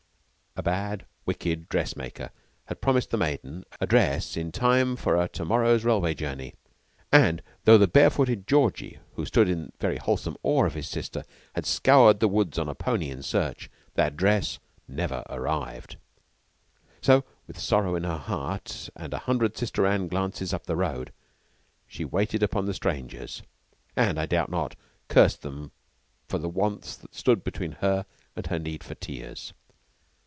A bad, wicked dress maker had promised the maiden a dress in time for a to morrow's rail way journey, and though the barefooted Georgy, who stood in very wholesome awe of his sister, had scoured the woods on a pony in search, that dress never arrived. So, with sorrow in her heart and a hundred Sister Anne glances up the road, she waited upon the strangers and, I doubt not, cursed them for the wants that stood between her and her need for tears.